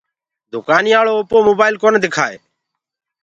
دُڪآنيآݪو اوپو موبآئل ڪونآ دِڪآئي۔